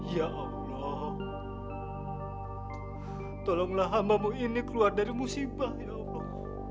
ya allah tolonglah hamamu ini keluar dari musibah ya allah